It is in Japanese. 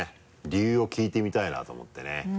理由を聞いてみたいなと思ってね。